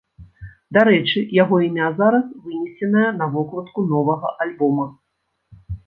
Дарэчы, яго імя зараз вынесенае на вокладку новага альбома.